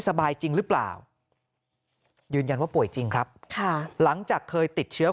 สบายจริงหรือเปล่ายืนยันว่าป่วยจริงครับค่ะหลังจากเคยติดเชื้อ